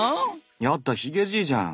やっだヒゲじいじゃん。